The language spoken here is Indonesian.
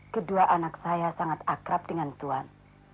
kedua anak saya sangat akrab dengan tuhan